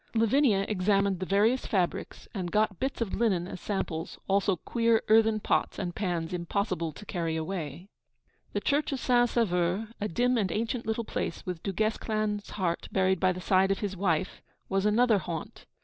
Lavinia examined the various fabrics, and got bits of linen as samples, also queer earthen pots and pans impossible to carry away. The church of St. Sauveur, a dim and ancient little place with Du Guesclin's heart buried by the side of his wife, was another haunt.